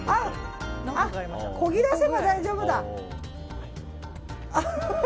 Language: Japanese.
こぎ出せば大丈夫だ。